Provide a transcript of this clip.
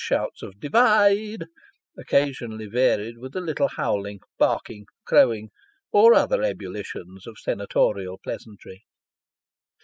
\\ 7 shouts of " Divide," occasionally varied with a little howling, barking, crowing, or other ebullitions of senatorial pleasantry.